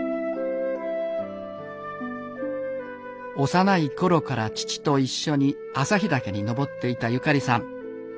幼い頃から父と一緒に朝日岳に登っていたゆかりさん。